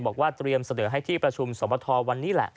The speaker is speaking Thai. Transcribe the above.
บอกว่าเตรียมเสนอให้ที่ประชุมสมทวันนี้แหละ